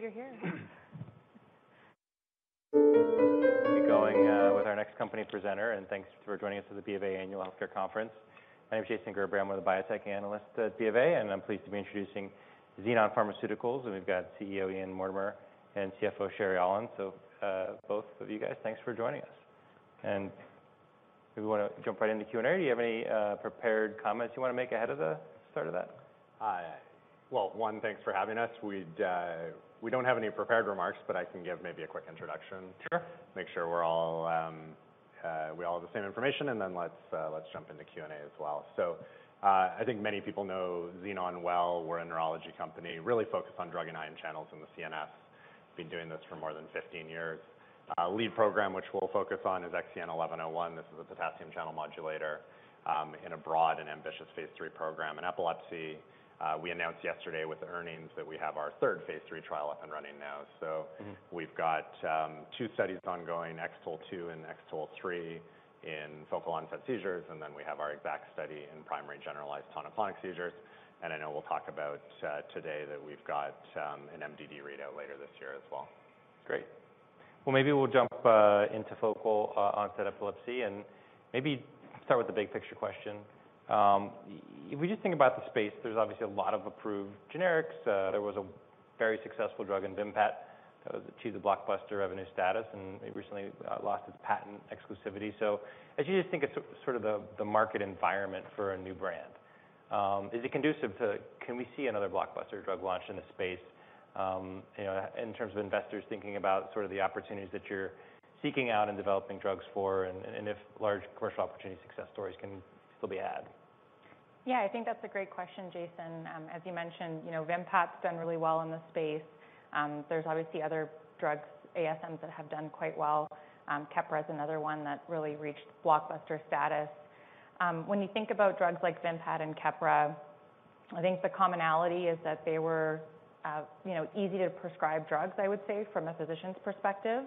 Be going with our next company presenter. Thanks for joining us for the BofA Annual Healthcare Conference. My name is Jason Gerberry. I'm one of the Biotech Analyst at BofA. I'm pleased to be introducing Xenon Pharmaceuticals. We've got CEO, Ian Mortimer, and CFO, Sherry Aulin. Both of you guys, thanks for joining us. Do we wanna jump right into the Q&A? Do you have any prepared comments you wanna make ahead of the start of that? Well, one, thanks for having us. We'd, we don't have any prepared remarks. I can give maybe a quick introduction. Sure. Make sure we're all, we all have the same information, let's jump into Q&A as well. I think many people know Xenon well. We're a neurology company, really focused on drug and ion channels in the CNS. Been doing this for more than 15 years. Lead program, which we'll focus on, is XEN1101. This is a potassium channel modulator, in a broad and ambitious phase III program. In epilepsy, we announced yesterday with the earnings that we have our third phase III trial up and running now. Mm-hmm. We've got two studies ongoing, X-TOLE2 and X-TOLE3, in focal onset seizures, and then we have our X-ACKT study in primary generalized tonic-clonic seizures. I know we'll talk about today that we've got an MDD readout later this year as well. Great. Well, maybe we'll jump into focal onset epilepsy, and maybe start with the big picture question. If we just think about the space, there's obviously a lot of approved generics. There was a very successful drug in Vimpat. It achieved the blockbuster revenue status, and it recently lost its patent exclusivity. As you just think of sort of the market environment for a new brand, is it conducive to can we see another blockbuster drug launch in the space? You know, in terms of investors thinking about sort of the opportunities that you're seeking out and developing drugs for and if large commercial opportunity success stories can still be had. Yeah, I think that's a great question, Jason. As you mentioned, you know, Vimpat's done really well in the space. There's obviously other drugs, ASMs, that have done quite well. Keppra is another one that really reached blockbuster status. When you think about drugs like Vimpat and Keppra, I think the commonality is that they were, you know, easy to prescribe drugs, I would say, from a physician's perspective.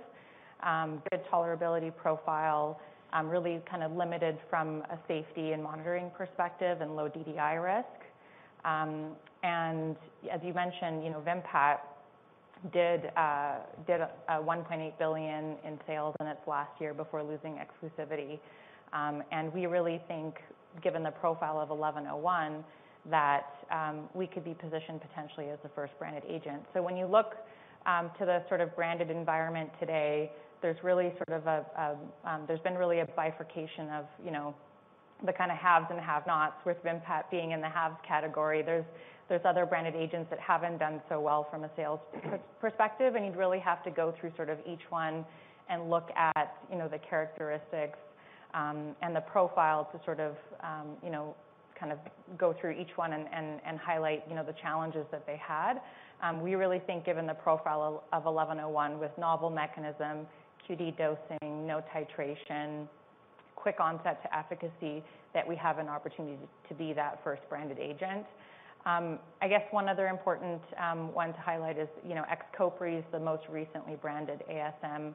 Good tolerability profile, really kind of limited from a safety and monitoring perspective and low DDI risk. As you mentioned, you know, Vimpat did $1.8 billion in sales in its last year before losing exclusivity. We really think, given the profile of XEN1101, that we could be positioned potentially as a first-branded agent. When you look to the sort of branded environment today, there's really sort of a, there's been really a bifurcation of, you know, the kind of haves and have-nots, with Vimpat being in the haves category. There's other branded agents that haven't done so well from a sales perspective, you'd really have to go through sort of each one and look at, you know, the characteristics and the profile to sort of, you know, kind of go through each one and highlight, you know, the challenges that they had. We really think given the profile of XEN1101 with novel mechanism, QD dosing, no titration, quick onset to efficacy, that we have an opportunity to be that first branded agent. I guess one other important one to highlight is, you know, XCOPRI is the most recently branded ASM,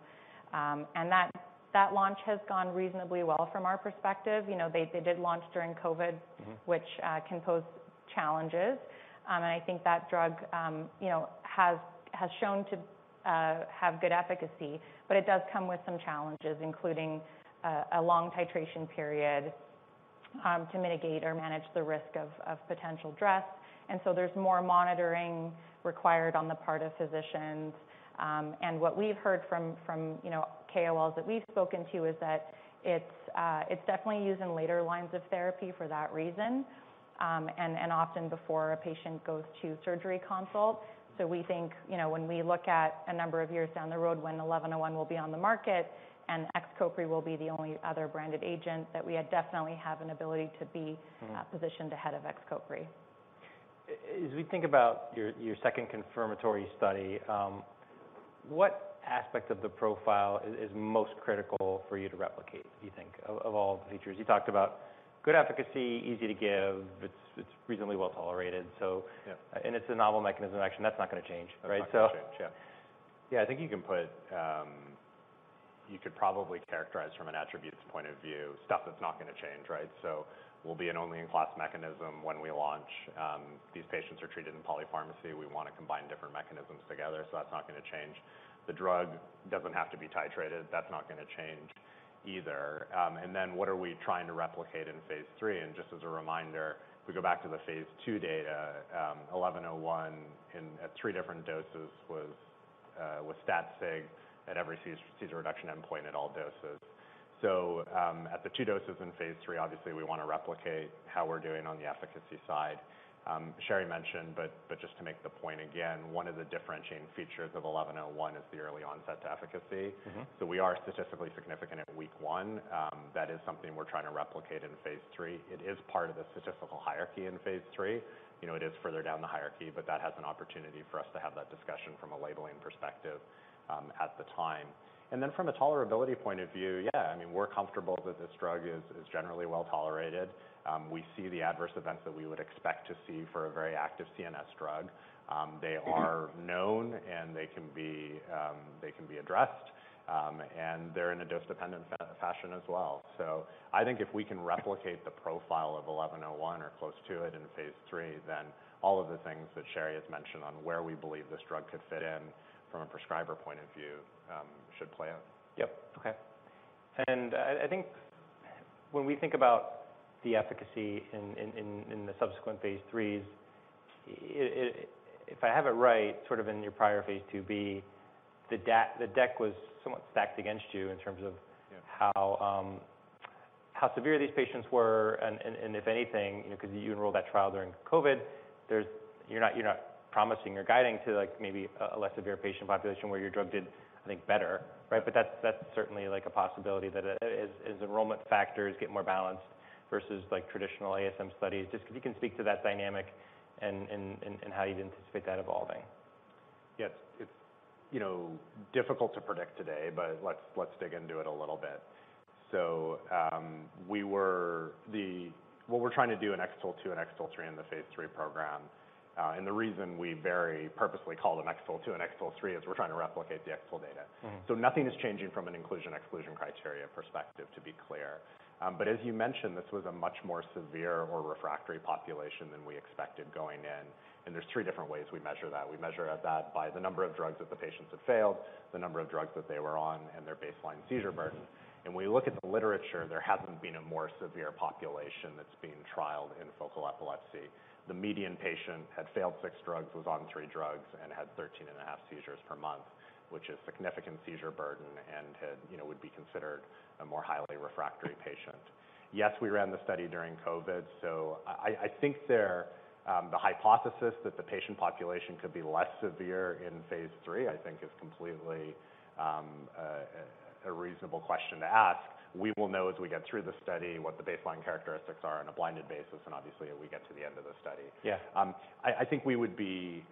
that launch has gone reasonably well from our perspective. You know, they did launch during COVID. Mm-hmm Which can pose challenges. I think that drug, you know, has shown to have good efficacy, but it does come with some challenges, including a long titration period to mitigate or manage the risk of potential DRESS. There's more monitoring required on the part of physicians. What we've heard from, you know, KOLs that we've spoken to is that it's definitely used in later lines of therapy for that reason, and often before a patient goes to surgery consult. We think, you know, when we look at a number of years down the road when XEN1101 will be on the market and XCOPRI will be the only other branded agent, that we definitely have an ability to be- Mm-hmm... positioned ahead of XCOPRI. As we think about your second confirmatory study, what aspect of the profile is most critical for you to replicate, do you think, of all the features? You talked about good efficacy, easy to give, it's reasonably well-tolerated, so. Yeah. It's a novel mechanism action. That's not gonna change, right? That's not gonna change. Yeah. Yeah, I think you can put. You could probably characterize from an attributes point of view, stuff that's not gonna change, right? We'll be an only in class mechanism when we launch. These patients are treated in polypharmacy. We wanna combine different mechanisms together. That's not gonna change. The drug doesn't have to be titrated. That's not gonna change either. What are we trying to replicate in phase III? Just as a reminder, if we go back to the phase II data, XEN1101 in, at three different doses was stat sig at every seizure reduction endpoint at all doses. At the two doses in phase III, obviously we wanna replicate how we're doing on the efficacy side. Sherry mentioned, but just to make the point again, one of the differentiating features of XEN1101 is the early onset to efficacy. Mm-hmm. We are statistically significant at week one. That is something we're trying to replicate in phase III. It is part of the statistical hierarchy in phase III. You know, it is further down the hierarchy, but that has an opportunity for us to have that discussion from a labeling perspective at the time. From a tolerability point of view, yeah, I mean, we're comfortable that this drug is generally well-tolerated. We see the adverse events that we would expect to see for a very active CNS drug. They are known, and they can be, they can be addressed, and they're in a dose-dependent fashion as well. I think if we can replicate the profile of XEN1101 or close to it in phase III, all of the things that Sherry has mentioned on where we believe this drug could fit in from a prescriber point of view, should play out. Yep. Okay. I think when we think about the efficacy in the subsequent phase IIIs, it. If I have it right, sort of in your prior phase III-B, the deck was somewhat stacked against you in terms of. Yeah. How severe these patients were and if anything, you know, because you enrolled that trial during COVID? You're not promising or guiding to like maybe a less severe patient population where your drug did, I think, better, right? That's certainly like a possibility that as enrollment factors get more balanced versus like traditional ASM studies. Just if you can speak to that dynamic and how you'd anticipate that evolving? Yes. It's, you know, difficult to predict today, but let's dig into it a little bit. What we're trying to do in X-TOLE2 and X-TOLE3 in the phase III program, the reason we very purposefully call them X-TOLE2 and X-TOLE3 is we're trying to replicate the X-TOLE data. Mm-hmm. Nothing is changing from an inclusion/exclusion criteria perspective, to be clear. As you mentioned, this was a much more severe or refractory population than we expected going in, and there's three different ways we measure that. We measure that by the number of drugs that the patients have failed, the number of drugs that they were on, and their baseline seizure burden. We look at the literature, there hasn't been a more severe population that's been trialed in focal epilepsy. The median patient had failed six drugs, was on three drugs, and had 13 and a half seizures per month, which is significant seizure burden and had, you know, would be considered a more highly refractory patient. Yes, we ran the study during COVID. I think there the hypothesis that the patient population could be less severe in phase III, I think is completely a reasonable question to ask. We will know as we get through the study what the baseline characteristics are on a blinded basis. Obviously, we get to the end of the study. Yeah. I think it would be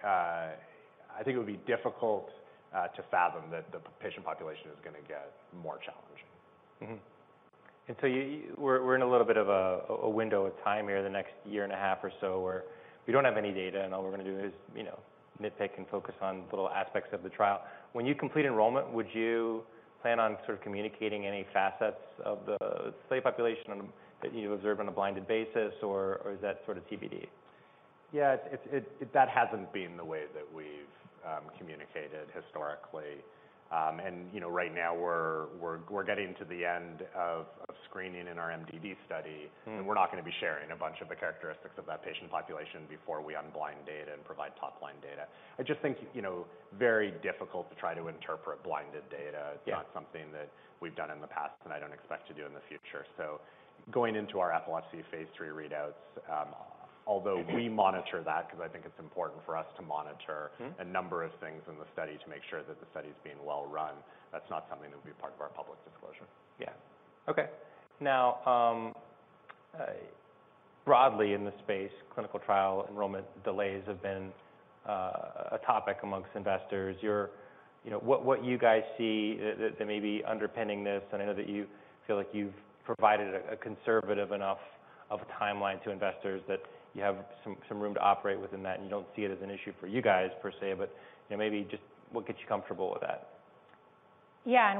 difficult to fathom that the patient population is gonna get more challenging. Mm-hmm. We're in a little bit of a window of time here the next year and a half or so where we don't have any data, and all we're gonna do is, you know, nitpick and focus on little aspects of the trial. When you complete enrollment, would you plan on sort of communicating any facets of the study population that you observe on a blinded basis, or is that sort of TBD? Yeah. That hasn't been the way that we've communicated historically. You know, right now we're getting to the end of screening in our MDD study. Mm-hmm. We're not gonna be sharing a bunch of the characteristics of that patient population before we unblind data and provide top-line data. I just think, you know, very difficult to try to interpret blinded data. Yeah. It's not something that we've done in the past, and I don't expect to do in the future. Going into our epilepsy phase III readouts, although we monitor that because I think it's important for us to monitor. Mm-hmm. A number of things in the study to make sure that the study is being well run, that's not something that would be part of our public disclosure. Yeah. Okay. Broadly in the space, clinical trial enrollment delays have been a topic amongst investors. You know, what you guys see that may be underpinning this, and I know that you feel like you've provided a conservative enough of a timeline to investors that you have some room to operate within that, and you don't see it as an issue for you guys per se, but, you know, maybe just what gets you comfortable with that?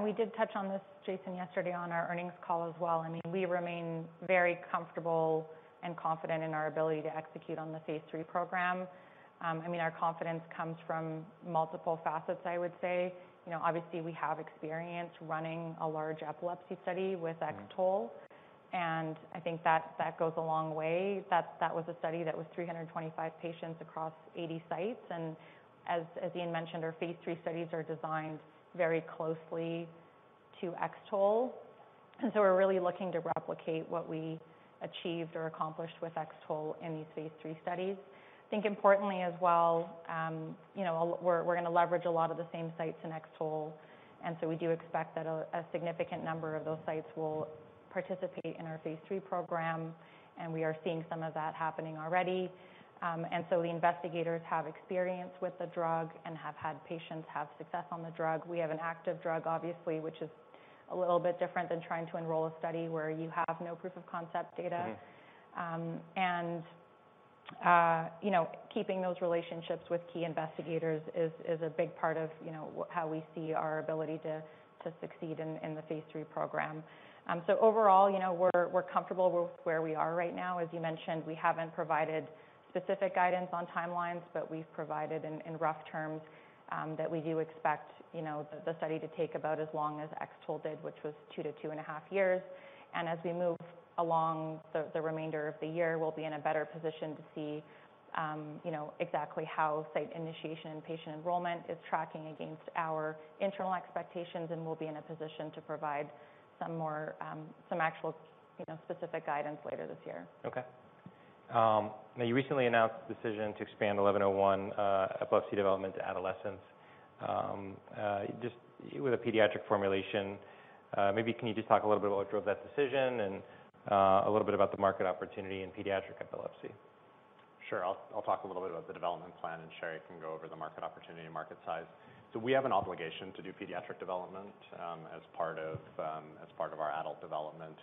We did touch on this, Jason, yesterday on our earnings call as well. I mean, we remain very comfortable and confident in our ability to execute on the phase III program. I mean, our confidence comes from multiple facets, I would say. You know, obviously, we have experience running a large epilepsy study with X-TOLE, I think that goes a long way. That was a study that was 325 patients across 80 sites, as Ian mentioned, our phase III studies are designed very closely to X-TOLE. We're really looking to replicate what we achieved or accomplished with X-TOLE in these phase III studies. I think importantly as well, you know, we're gonna leverage a lot of the same sites in X-TOLE. We do expect that a significant number of those sites will participate in our phase III program, and we are seeing some of that happening already. The investigators have experience with the drug and have had patients have success on the drug. We have an active drug, obviously, which is a little bit different than trying to enroll a study where you have no proof of concept data. Mm-hmm. You know, keeping those relationships with key investigators is a big part of, you know, how we see our ability to succeed in the phase III program. Overall, you know, we're comfortable with where we are right now. As you mentioned, we haven't provided specific guidance on timelines, but we've provided in rough terms that we do expect, you know, the study to take about as long as X-TOLE did, which was 2-2.5 years. As we move along the remainder of the year, we'll be in a better position to see, you know, exactly how site initiation and patient enrollment is tracking against our internal expectations, and we'll be in a position to provide some more actual, you know, specific guidance later this year. Now you recently announced the decision to expand XEN1101 epilepsy development to adolescents just with a pediatric formulation. Maybe can you just talk a little bit about what drove that decision and a little bit about the market opportunity in pediatric epilepsy? Sure. I'll talk a little bit about the development plan, and Sherry can go over the market opportunity and market size. We have an obligation to do pediatric development, as part of, as part of our adult development.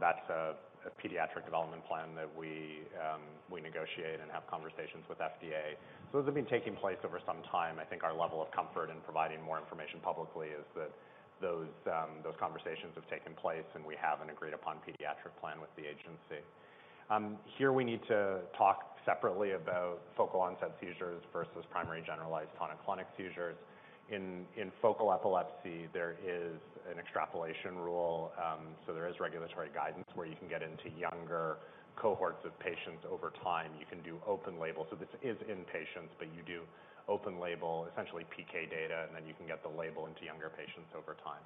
That's a pediatric development plan that we negotiate and have conversations with FDA. Those have been taking place over some time. I think our level of comfort in providing more information publicly is that those conversations have taken place, and we have an agreed-upon pediatric plan with the agency. Here we need to talk separately about focal onset seizures versus primary generalized tonic-clonic seizures. In focal epilepsy, there is an extrapolation rule, so there is regulatory guidance where you can get into younger cohorts of patients over time. You can do open label. This is in patients, but you do open label, essentially PK data, and then you can get the label into younger patients over time.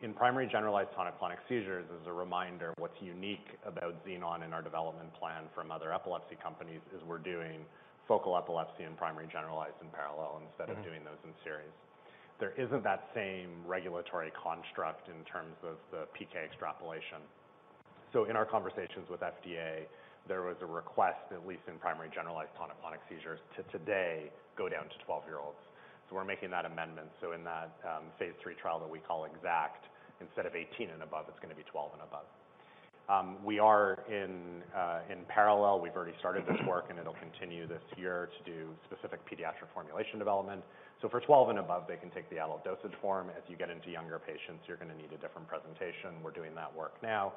In primary generalized tonic-clonic seizures, as a reminder, what's unique about Xenon and our development plan from other epilepsy companies is we're doing focal epilepsy and primary generalized in parallel instead of doing those in series. There isn't that same regulatory construct in terms of the PK extrapolation. In our conversations with FDA, there was a request, at least in primary generalized tonic-clonic seizures, to today go down to 12-year-olds. We're making that amendment. In that phase III trial that we call X-ACKT, instead of 18 and above, it's going to be 12 and above. We are in parallel. We've already started this work, and it'll continue this year to do specific pediatric formulation development. For 12 and above, they can take the adult dosage form. As you get into younger patients, you're going to need a different presentation. We're doing that work now.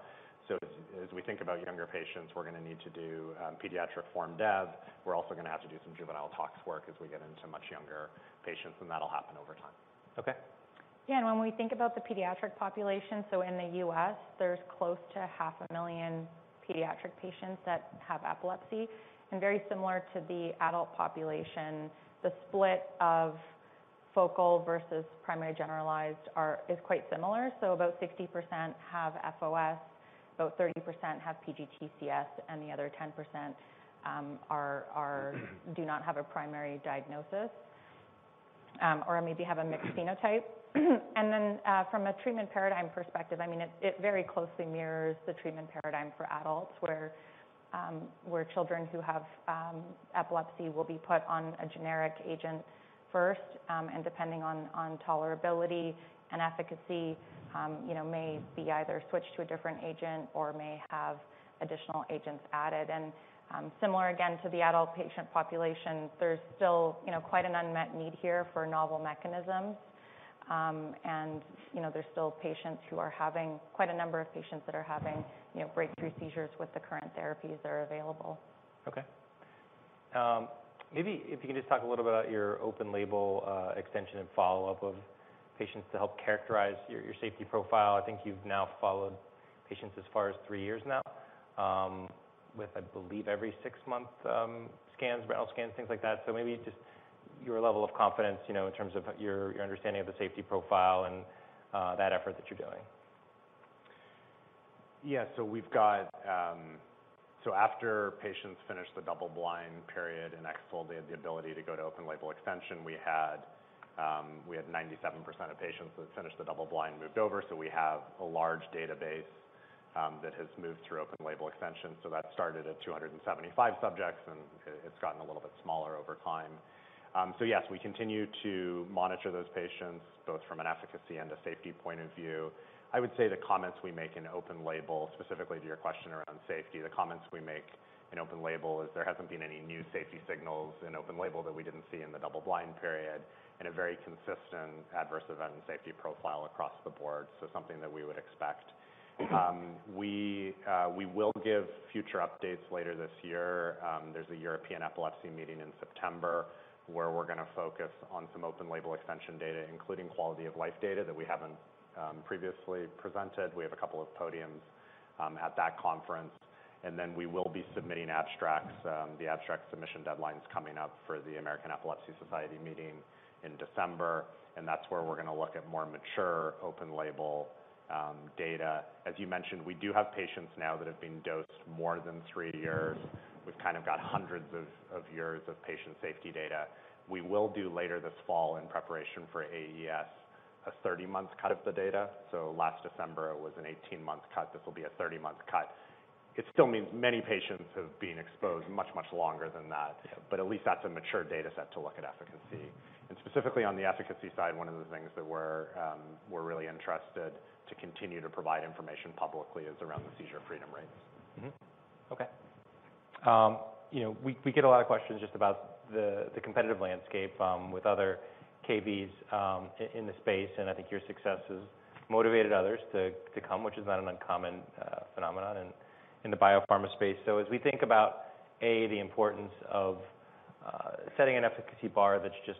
As we think about younger patients, we're going to need to do pediatric form dev. We're also going to have to do some juvenile tox work as we get into much younger patients, and that'll happen over time. Okay. When we think about the pediatric population, in the U.S., there's close to half a million pediatric patients that have epilepsy. Very similar to the adult population, the split of focal versus primary generalized is quite similar. About 60% have FOS, about 30% have PGTCS, and the other 10% do not have a primary diagnosis or maybe have a mixed phenotype. From a treatment paradigm perspective, I mean, it very closely mirrors the treatment paradigm for adults where children who have epilepsy will be put on a generic agent first, and depending on tolerability and efficacy, you know, may be either switched to a different agent or may have additional agents added. Similar again to the adult patient population, there's still, you know, quite an unmet need here for novel mechanisms. You know, there's still quite a number of patients that are having, you know, breakthrough seizures with the current therapies that are available. Okay. Maybe if you could just talk a little bit about your open label extension and follow-up of patients to help characterize your safety profile. I think you've now followed patients as far as three years now, with, I believe, every six month scans, brain scans, things like that. Maybe just your level of confidence, you know, in terms of your understanding of the safety profile and that effort that you're doing. After patients finish the double blind period in X-TOLE, they have the ability to go to open label extension. We had 97% of patients that finished the double blind moved over. We have a large database that has moved through open label extension. That started at 275 subjects, and it's gotten a little bit smaller over time. Yes, we continue to monitor those patients both from an efficacy and a safety point of view. I would say the comments we make in open label, specifically to your question around safety, the comments we make in open label is there hasn't been any new safety signals in open label that we didn't see in the double blind period, and a very consistent adverse event and safety profile across the board. Something that we would expect. We will give future updates later this year. There's a European Epilepsy Meeting in September where we're going to focus on some open label extension data, including quality of life data that we haven't previously presented. We have a couple of podiums at that conference. We will be submitting abstracts. The abstract submission deadline's coming up for the American Epilepsy Society meeting in December. That's where we're going to look at more mature open label data. As you mentioned, we do have patients now that have been dosed more than three years. We've kind of got hundreds of years of patient safety data. We will do later this fall in preparation for AES, a 30-month cut of the data. Last December, it was an 18-month cut. This will be a 30-month cut. It still means many patients have been exposed much, much longer than that, but at least that's a mature data set to look at efficacy. Specifically on the efficacy side, one of the things that we're really interested to continue to provide information publicly is around the seizure freedom rates. Okay. You know, we get a lot of questions just about the competitive landscape with other KVs in the space. I think your success has motivated others to come, which is not an uncommon phenomenon in the biopharma space. As we think about, a, the importance of setting an efficacy bar that's just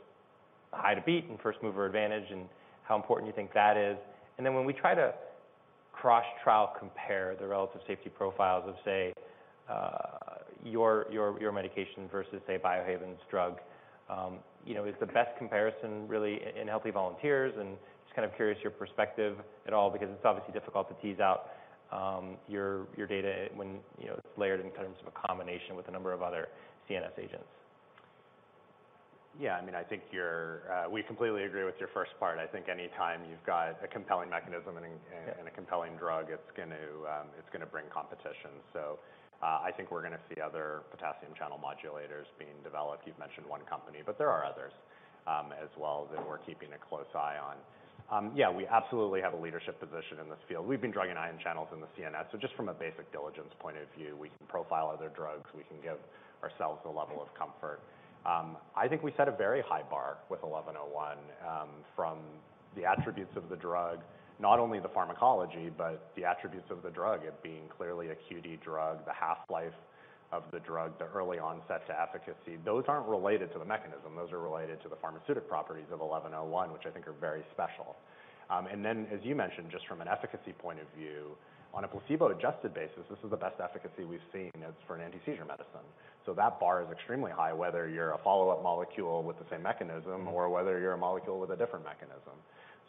high to beat and first mover advantage and how important you think that is. Then when we try to cross-trial compare the relative safety profiles of, say, your medication versus, say, Biohaven's drug, you know, is the best comparison really in healthy volunteers? Just kind of curious your perspective at all because it's obviously difficult to tease out, your data when, you know, it's layered in terms of a combination with a number of other CNS agents. I mean, I think we completely agree with your first part. I think anytime you've got a compelling mechanism, and a, and a compelling drug, it's going to bring competition. I think we're going to see other potassium channel modulators being developed. You've mentioned one company, but there are others as well that we're keeping a close eye on. We absolutely have a leadership position in this field. We've been drugging ion channels in the CNS. Just from a basic diligence point of view, we can profile other drugs, we can give ourselves a level of comfort. I think we set a very high bar with XEN1101. From the attributes of the drug, not only the pharmacology, but the attributes of the drug, it being clearly a QD drug, the half-life of the drug, the early onset to efficacy. Those aren't related to the mechanism. Those are related to the pharmaceutic properties of XEN1101, which I think are very special. As you mentioned, just from an efficacy point of view, on a placebo-adjusted basis, this is the best efficacy we've seen as for an anti-seizure medicine. That bar is extremely high, whether you're a follow-up molecule with the same mechanism or whether you're a molecule with a different mechanism.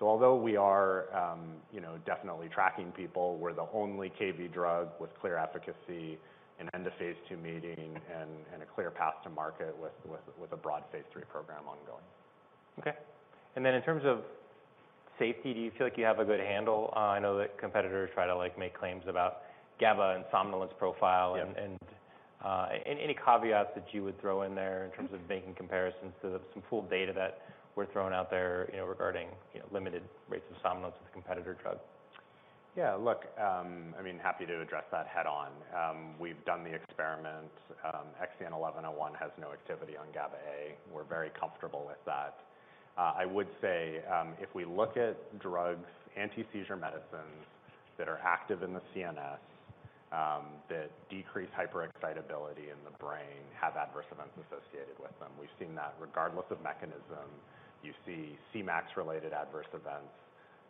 Although we are, you know, definitely tracking people, we're the only KV drug with clear efficacy in end of phase II meeting, and a clear path to market with a broad phase III program ongoing. Okay. Then in terms of safety, do you feel like you have a good handle? I know that competitors try to, like, make claims about GABA and somnolence profile and- Yeah. Any caveats that you would throw in there in terms of making comparisons to some full data that were thrown out there, you know, regarding, you know, limited rates of somnolence with competitor drug? Look, happy to address that head on. We've done the experiment. XEN1101 has no activity on GABA A. We're very comfortable with that. I would say, if we look at drugs, antiseizure medications that are active in the CNS, that decrease hyperexcitability in the brain have adverse events associated with them. We've seen that regardless of mechanism. You see Cmax-related adverse events,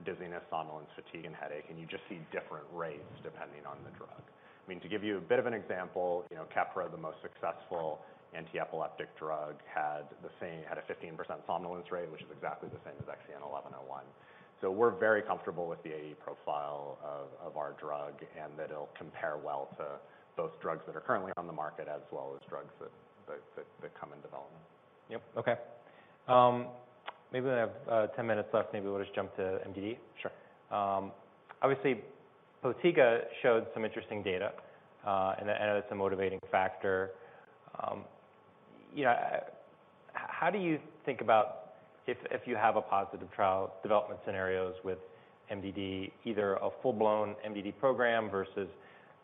dizziness, somnolence, fatigue, and headache, and you just see different rates depending on the drug. To give you a bit of an example, Keppra, the most successful antiseizure medication, had a 15% somnolence rate, which is exactly the same as XEN1101. We're very comfortable with the AE profile of our drug, and that it'll compare well to both drugs that are currently on the market as well as drugs that come in development. Yep. Okay. Maybe we have ten minutes left. Maybe we'll just jump to MDD. Sure. Obviously Bottega showed some interesting data, and it's a motivating factor. You know, how do you think about if you have a positive trial development scenarios with MDD, either a full-blown MDD program versus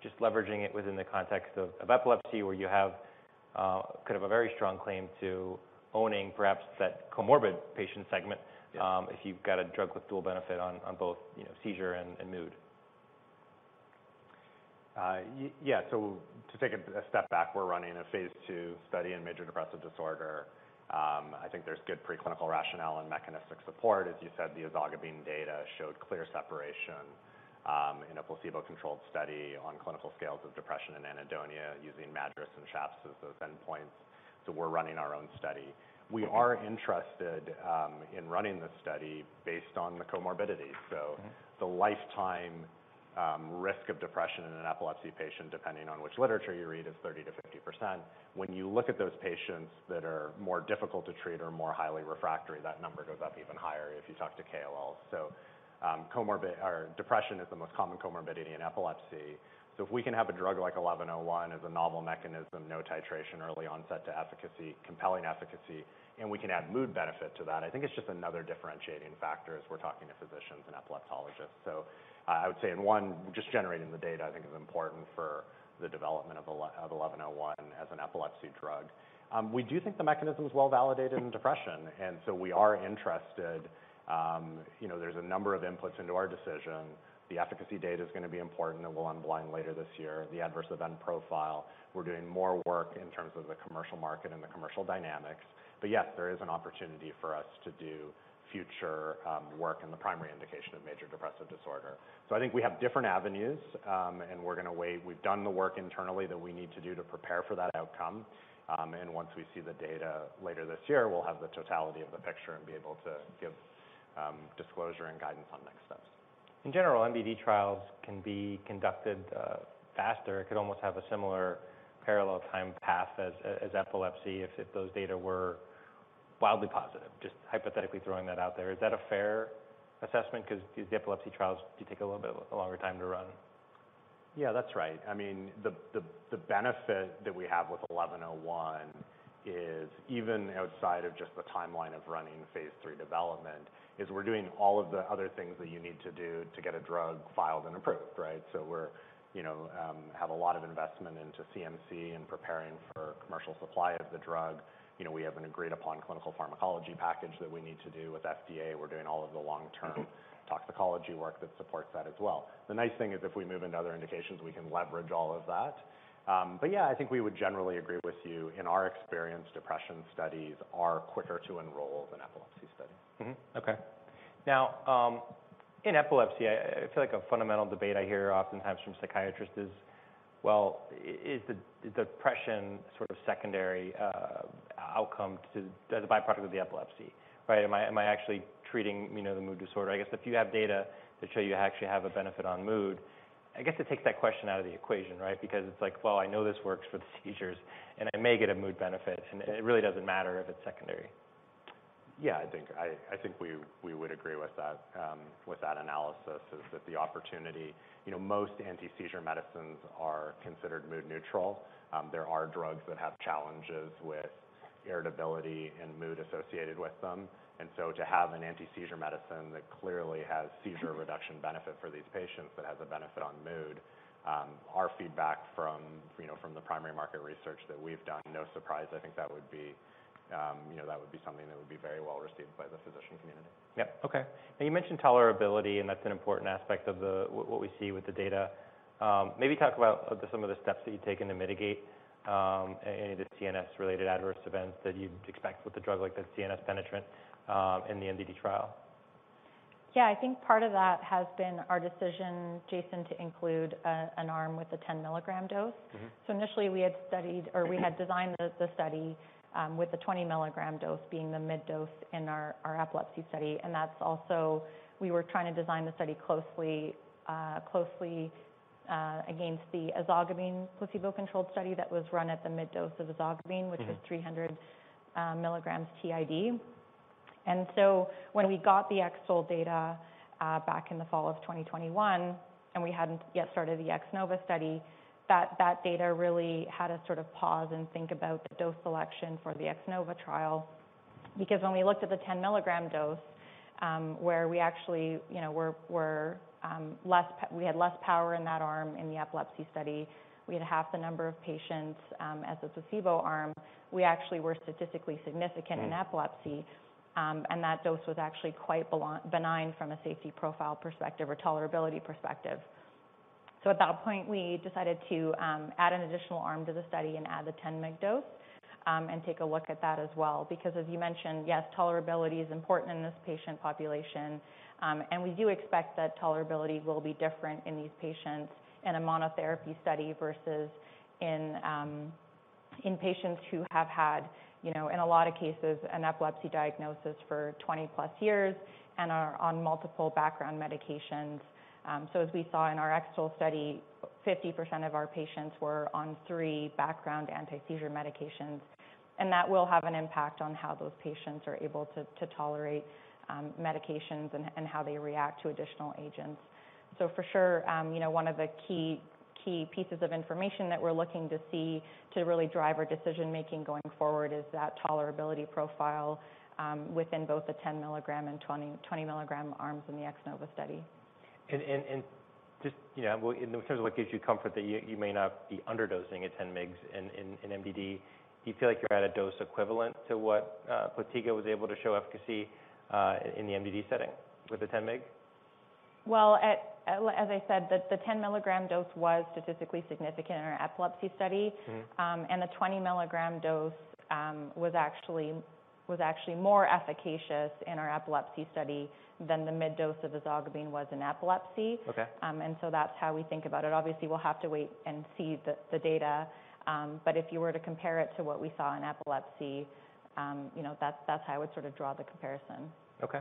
just leveraging it within the context of epilepsy, where you have, kind of a very strong claim to owning perhaps that comorbid patient segment? Yeah. If you've got a drug with dual benefit on both, you know, seizure and mood. Yeah. To take a step back, we're running a phase II study in major depressive disorder. I think there's good preclinical rationale and mechanistic support. As you said, the ezogabine data showed clear separation in a placebo-controlled study on clinical scales of depression and anhedonia using MADRS and SHAPS as those endpoints. We're running our own study. We are interested in running the study based on the comorbidity. Mm-hmm. The lifetime risk of depression in an epilepsy patient, depending on which literature you read, is 30%-50%. When you look at those patients that are more difficult to treat or more highly refractory, that number goes up even higher if you talk to KOLs. Depression is the most common comorbidity in epilepsy. If we can have a drug like XEN1101 as a novel mechanism, no titration, early onset to efficacy, compelling efficacy, and we can add mood benefit to that, I think it's just another differentiating factor as we're talking to physicians and epileptologists. I would say in one, just generating the data I think is important for the development of XEN1101 as an epilepsy drug. We do think the mechanism is well validated in depression, and we are interested. You know, there's a number of inputs into our decision. The efficacy data is gonna be important, and we'll unblind later this year, the adverse event profile. We're doing more work in terms of the commercial market and the commercial dynamics. Yes, there is an opportunity for us to do future work in the primary indication of major depressive disorder. I think we have different avenues, and we're gonna wait. We've done the work internally that we need to do to prepare for that outcome. Once we see the data later this year, we'll have the totality of the picture and be able to give disclosure and guidance on next steps. In general, MDD trials can be conducted faster. It could almost have a similar parallel time path as epilepsy if those data were wildly positive. Just hypothetically throwing that out there. Is that a fair assessment? 'Cause, these epilepsy trials do take a little bit longer time to run. Yeah, that's right. I mean, the benefit that we have with XEN1101 is even outside of just the timeline of running phase III development, is we're doing all of the other things that you need to do to get a drug filed and approved, right? We're, you know, have a lot of investment into CMC and preparing for commercial supply of the drug. You know, we have an agreed-upon clinical pharmacology package that we need to do with FDA. We're doing all of the long-term toxicology work that supports that as well. The nice thing is if we move into other indications, we can leverage all of that. Yeah, I think we would generally agree with you. In our experience, depression studies are quicker to enroll than epilepsy studies. Okay. Now, in epilepsy, I feel like a fundamental debate I hear oftentimes from psychiatrists is, well, is the, is the depression sort of secondary, outcome to, as a byproduct of the epilepsy, right? Am I, am I actually treating, you know, the mood disorder? I guess if you have data that show you actually have a benefit on mood, I guess it takes that question out of the equation, right? It's like, well, I know this works for the seizures, and I may get a mood benefit, and it really doesn't matter if it's secondary. Yeah, I think we would agree with that, with that analysis is that the opportunity. You know, most anti-seizure medicines are considered mood neutral. There are drugs that have challenges with irritability and mood associated with them. So to have an anti-seizure medicine that clearly has seizure reduction benefit for these patients that has a benefit on mood, our feedback from, you know, from the primary market research that we've done, no surprise, I think that would be. You know, that would be something that would be very well received by the physician community. Yep. Okay. You mentioned tolerability, and that's an important aspect of what we see with the data. Maybe talk about some of the steps that you've taken to mitigate any of the CNS-related adverse events that you'd expect with a drug like the CNS penetrant in the MDD trial. Yeah. I think part of that has been our decision, Jason, to include an arm with a 10 mg dose. Mm-hmm. Initially we had studied, or we had designed the study, with the 20 mg dose being the mid dose in our epilepsy study. We were trying to design the study closely against the ezogabine placebo-controlled study that was run at the mid dose of ezogabine. Mm-hmm Which is 300 mg TID. When we got the X-TOLE data, back in the fall of 2021, and we hadn't yet started the X-NOVA study, that data really had us sort of pause and think about the dose selection for the X-NOVA trial, because when we looked at the 10 mg dose, where we actually, you know, we had less power in that arm in the epilepsy study. We had half the number of patients as the placebo arm. We actually were statistically significant- Mm.... in epilepsy. That dose was actually quite benign from a safety profile perspective or tolerability perspective. At that point, we decided to add an additional arm to the study and add the 10 mg dose, and take a look at that as well. As you mentioned, yes, tolerability is important in this patient population. We do expect that tolerability will be different in these patients in a monotherapy study versus in patients who have had, you know, in a lot of cases, an epilepsy diagnosis for 20+ years and are on multiple background medications. As we saw in our X-TOLE study, 50% of our patients were on 3 background antiseizure medications, and that will have an impact on how those patients are able to tolerate medications and how they react to additional agents. For sure, you know, one of the key pieces of information that we're looking to see to really drive our decision-making going forward is that tolerability profile within both the 10 mg and 20 mg arms in the X-NOVA study. Just, you know, in terms of what gives you comfort that you may not be underdosing at 10 mgs in MDD, do you feel like you're at a dose equivalent to what Potiga was able to show efficacy in the MDD setting with the 10 mg? Well, as I said, the 10 mg dose was statistically significant in our epilepsy study. Mm-hmm. The 20 mg dose was actually more efficacious in our epilepsy study than the mid dose of ezogabine was in epilepsy. Okay. That's how we think about it. Obviously, we'll have to wait and see the data. If you were to compare it to what we saw in epilepsy, you know, that's how I would sort of draw the comparison. Okay.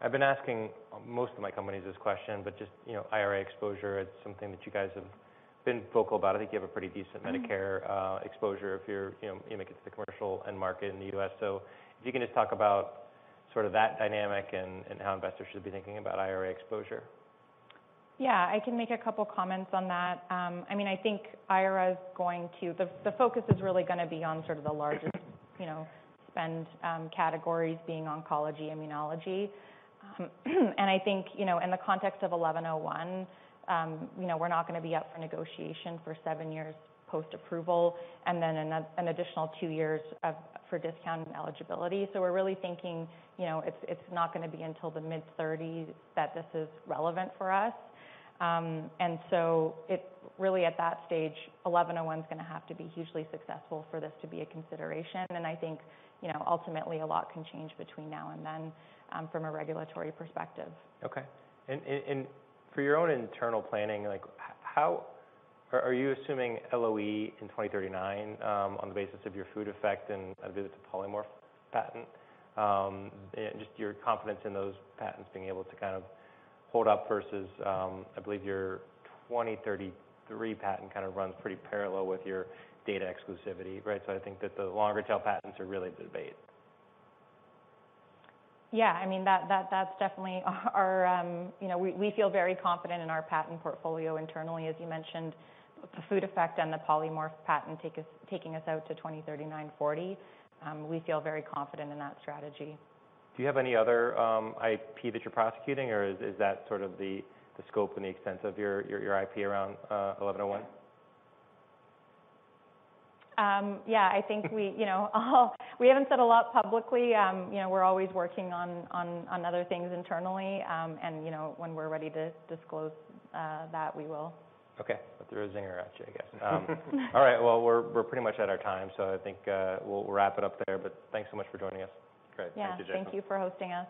I've been asking most of my companies this question, but just, you know, IRA exposure, it's something that you guys have been vocal about. I think you have a pretty decent Medicare-... exposure if you're, you know, you make it to the commercial end market in the U.S. If you can just talk about sort of that dynamic and how investors should be thinking about IRA exposure? Yeah. I can make a couple comments on that. I mean, I think, the focus is really gonna be on sort of the you know, spend categories being oncology, immunology. I think, you know, in the context of XEN1101, you know, we're not gonna be up for negotiation for seven years post-approval and then an additional two years for discount and eligibility. We're really thinking, you know, it's not gonna be until the mid-thirties that this is relevant for us. It really at that stage, XEN1101's gonna have to be hugely successful for this to be a consideration. I think, you know, ultimately a lot can change between now and then from a regulatory perspective. Okay. For your own internal planning, like Are you assuming LOE in 2039, on the basis of your food effect and I believe it's a polymorph patent? Just your confidence in those patents being able to kind of hold up versus, I believe your 2033 patent kind of runs pretty parallel with your data exclusivity, right? I think that the longer tail patents are really the debate. Yeah. I mean, that's definitely our. You know, we feel very confident in our patent portfolio internally. As you mentioned, the food effect and the polymorph patent taking us out to 2039, 2040. We feel very confident in that strategy. Do you have any other IP that you're prosecuting, or is that sort of the scope and the extent of your IP around XEN1101? Yeah. I think we, you know, We haven't said a lot publicly. You know, we're always working on other things internally. You know, when we're ready to disclose, that, we will. Okay. Throw a zinger at you, I guess. All right. Well, we're pretty much out of time, I think we'll wrap it up there, thanks so much for joining us. Great. Yeah. Thank you, Jason. Thank you for hosting us.